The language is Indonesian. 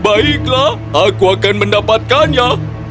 baiklah aku akan mendapatkannya